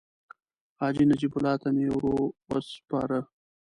حاجي نجیب الله ته مې ورو سپاره.